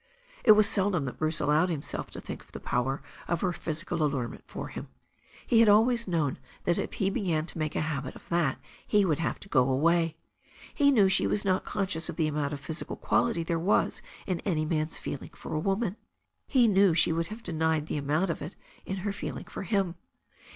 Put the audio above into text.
It was seldom that Bruce allowed himself to think of the power of her physical allurement for him. He had always known that if he began to make a habit of that he would have to go away. He knew she was not conscious of the amount of physical quality there was in any man's feeling for a woman. He knew she would have denied the amount of it in her feeling for him.